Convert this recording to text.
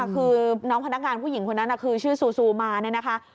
คือน้องพนักงานผู้หญิงคนนั้นคือชื่อซูซูมาเนี่ยนะคะ